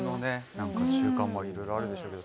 何か習慣もいろいろあるでしょうけど。